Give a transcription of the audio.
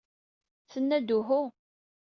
Tenna-d uhu.